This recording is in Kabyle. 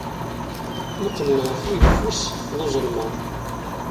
Mmuqqlen ɣef uyeffus ed uzelmaḍ.